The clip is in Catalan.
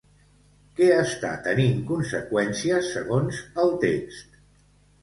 Què està tenint conseqüències segons el text?